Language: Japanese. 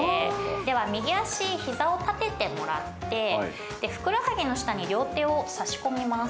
右足、ひざを立ててもらってふくらはぎの下に両手を差し込みます。